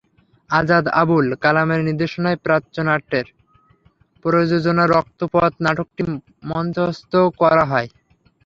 আজাদ আবুল কালামের নির্দেশনায় প্রাচ্যনাটের প্রযোজনা রক্তপথ নাটকটি মঞ্চস্থ করা হয়।